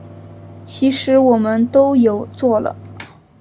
其实我们都有做了